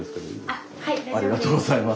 ありがとうございます。